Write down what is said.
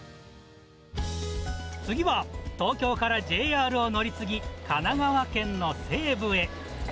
次は東京からＪＲを乗り継ぎ、神奈川県の西部へ。